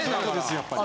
やっぱり。